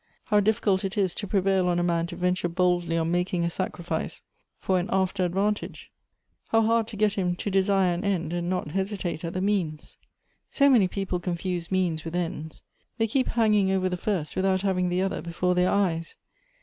How difficult it is to prevail on a man to venture boldly on making a sacrifice for an after advantage ! How hard to get him to desire an end, and not hesitate at the me.ans! So many people confuse means with ends ; they keep hanging over the first, with out having the other before their eyes.